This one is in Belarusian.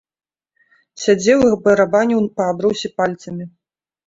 Сядзеў і барабаніў па абрусе пальцамі.